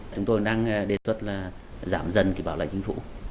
chúng tôi đang đề xuất là giảm dần cái bảo lãnh chính phủ